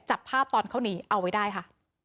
จับภาพตอนเขาหนีเอาไว้ได้ค่ะ